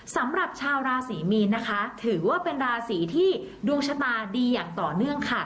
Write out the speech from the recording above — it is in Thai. สำหรับชาวราศรีมีนนะคะถือว่าเป็นราศีที่ดวงชะตาดีอย่างต่อเนื่องค่ะ